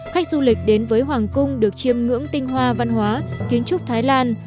khách du lịch đến với hoàng cung được chiêm ngưỡng tinh hoa văn hóa kiến trúc thái lan